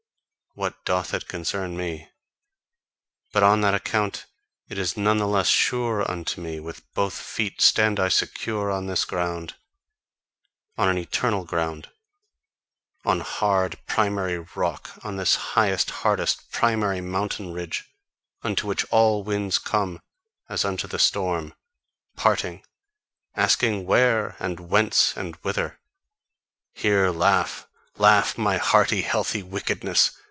What doth it concern me? But on that account it is none the less sure unto me , with both feet stand I secure on this ground; On an eternal ground, on hard primary rock, on this highest, hardest, primary mountain ridge, unto which all winds come, as unto the storm parting, asking Where? and Whence? and Whither? Here laugh, laugh, my hearty, healthy wickedness!